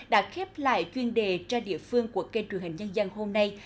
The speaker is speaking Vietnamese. đã khép lại chuyên đề cho địa phương của kênh truyền hình nhân dân hôm nay